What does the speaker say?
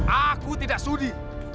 aku tidak sudi